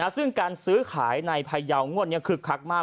ซึ่งการซื้อขายในพยาวงวดนี้คึกคักมาก